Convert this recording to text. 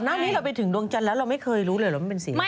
หน้านี้เราไปถึงดวงจันทร์แล้วเราไม่เคยรู้เลยเหรอว่ามันเป็นสีอะไร